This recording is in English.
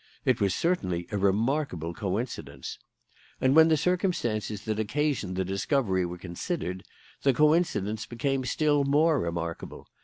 It was certainly a remarkable coincidence. And when the circumstances that occasioned the discovery were considered, the coincidence became still more remarkable.